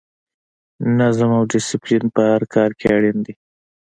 نظم او ډسپلین په هر کار کې اړین دی.